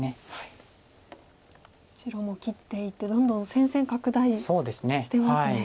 白も切っていってどんどん戦線拡大してますね。